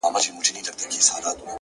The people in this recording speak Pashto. • توبې راڅخه تښته چي موسم دی د ګلونو,